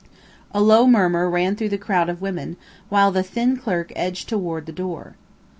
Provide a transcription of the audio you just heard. A low murmur ran through the crowd of women, while the thin clerk edged toward the door.